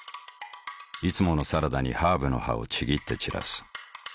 いつものサラダにハーブの葉をちぎって散らす。